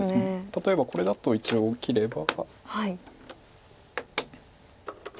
例えばこれだと一応切れば。